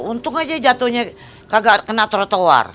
untung aja jatuhnya kena trotoar